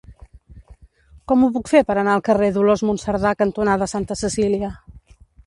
Com ho puc fer per anar al carrer Dolors Monserdà cantonada Santa Cecília?